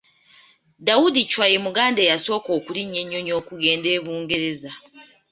Daudi Chwa ye muganda eyasooka okulinnya ennyonyi okugenda e Bungereza.